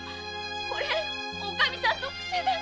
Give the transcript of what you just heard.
これおかみさんの癖なの。